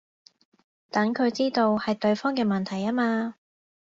等佢知道係對方嘅問題吖嘛